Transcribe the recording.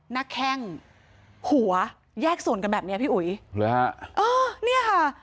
แข้งหัวแยกส่วนกันแบบเนี้ยพี่อุ๋ยเหรอฮะเออเนี่ยค่ะ